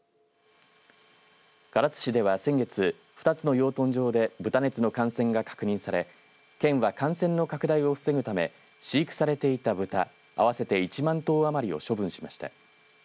唐津市では先月、２つの養豚場で豚熱の感染が確認され、県は感染の拡大を防ぐため飼育されていた豚合わせて１万頭余りを処分しました。